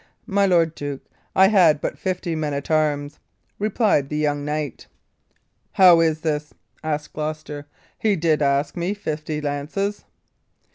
"My lord duke, I had but fifty men at arms," replied the young knight. "How is this?" said Gloucester. "He did ask me fifty lances."